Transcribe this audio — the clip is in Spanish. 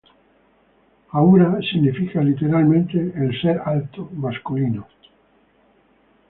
Ahura significa, literalmente, el ‘ser alto’ masculino.